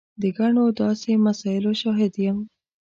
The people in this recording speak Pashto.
د ګڼو داسې مسایلو شاهد یم.